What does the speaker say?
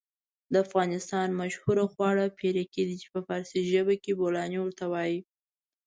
د افغانستان مشهور خواړه پيرکي دي چې په فارسي ژبه کې بولانى ورته وايي.